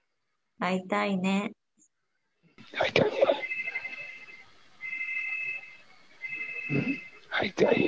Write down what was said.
会いたいよ。